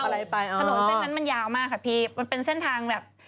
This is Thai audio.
เส้นนั้นมันยาวมากค่ะพี่มันเป็นเส้นทางแบบ